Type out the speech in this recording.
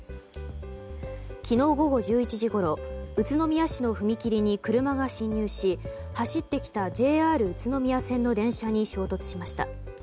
昨日午後１１時ごろ宇都宮市の踏切に車が進入し走ってきたＪＲ宇都宮線の電車に衝突しました。